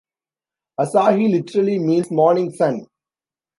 Asahi literally means "morning sun".